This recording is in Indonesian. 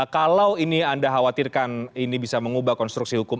kalau ini anda khawatirkan ini bisa mengubah konstruksi hukum